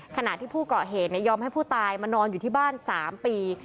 ขณะที่ผู้เกาะเหตุยอมให้ผู้ตายมานอนอยู่ที่บ้าน๓ปี